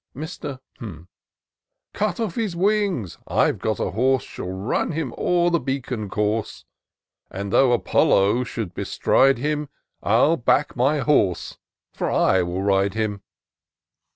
Mr. ■" Cut off his wings, — I've got a horse Shall run him o'er the Beacon Course ; And, though Apollo should bestride him, I'll back my horse — ^for I will ride him."